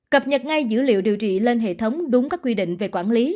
cập nhật ngay dữ liệu điều trị lên hệ thống đúng các quy định về quản lý